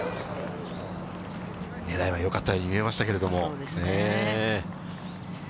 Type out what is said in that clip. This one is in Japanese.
ねらいはよかったように見えましたけど。